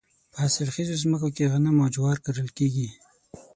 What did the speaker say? په حاصل خیزو ځمکو کې غنم او جوار کرل کیږي.